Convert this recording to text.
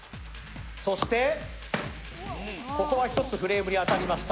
そして、ここは１つフレームに当たりました。